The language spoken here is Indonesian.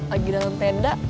lagi dalam tenda